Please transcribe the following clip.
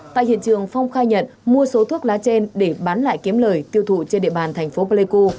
tại hiện trường phong khai nhận mua số thuốc lá trên để bán lại kiếm lời tiêu thụ trên địa bàn thành phố pleiku